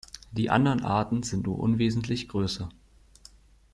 Die anderen Arten sind nur unwesentlich größer.